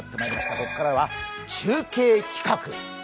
ここからは中継企画。